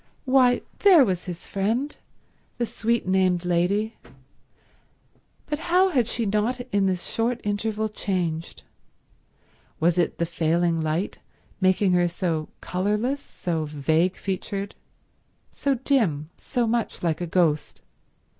Why, there was his friend, the sweet named lady—but how had she not in this short interval changed! Was it the failing light making her so colourless, so vague featured, so dim, so much like a ghost?